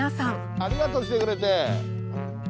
ありがとう、来てくれて。